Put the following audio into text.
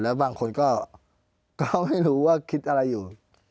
แล้วบางคนก็ไม่รู้ว่าคิดอะไรอยู่